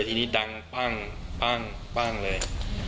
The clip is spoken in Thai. ทีนี้ดังปั้งเลย